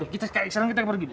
kita sekarang pergi